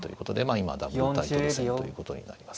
今ダブルタイトル戦ということになります。